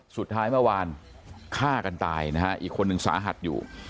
สุดท้ายเมื่อวานฆ่ากันตายนะฮะอีกคนนึงสาหัสอยู่